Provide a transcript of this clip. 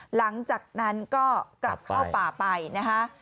หลังจากนั้นก็กลับเข้าป่าไปนะคะ